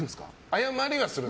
謝りはする？